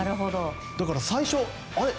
だから最初、あれ？